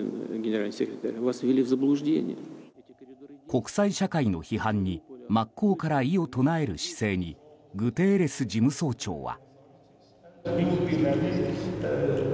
国際社会の批判に真っ向から異を唱える姿勢にグテーレス事務総長は。